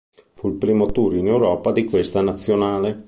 Fu il primo tour in Europa di questa nazionale.